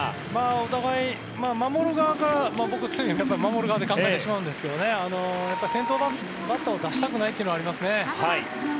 お互い、守る側から僕、常に守る側で考えてしまうんですけど先頭バッターを出したくないっていうのがありますね。